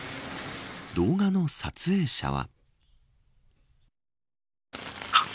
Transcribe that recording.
動画の撮影者は。